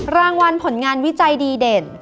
รางวัลผลงานวิจัยดีเด่น